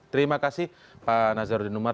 terima kasih pak nazarudin umar